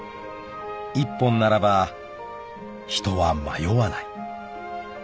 ［１本ならば人は迷わない］